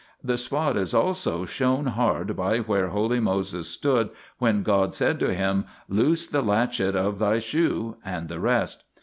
The spot is also shown hard by where holy Moses stood when God said to him : Loose the latchet of thy shoe, and the rest.